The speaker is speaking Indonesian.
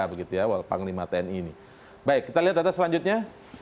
baik kita lihat data selanjutnya